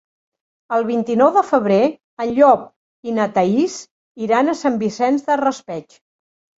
El vint-i-nou de febrer en Llop i na Thaís iran a Sant Vicent del Raspeig.